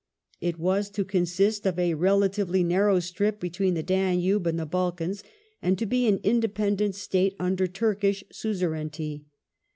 It was to consist of a relatively narrow strip between the Danube and the Balkans, and to be an independent State under Turkish suzerainty.